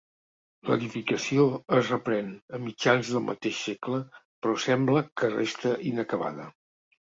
L'edificació es reprèn a mitjans del mateix segle però sembla que resta inacabada.